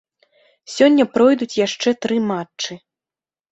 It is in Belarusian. Сёння пройдуць яшчэ тры матчы.